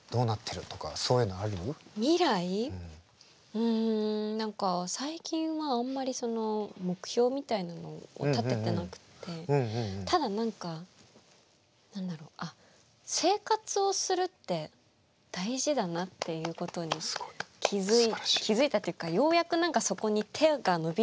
うん何か最近はあんまりその目標みたいなのを立ててなくてただ何か何だろう生活をするって大事だなっていうことに気付いたというかようやく何かそこに手が伸びるようになって。